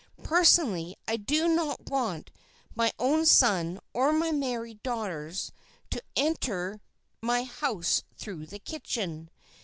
Personally, I do not want my own son, or my married daughters, to enter my house through the kitchen.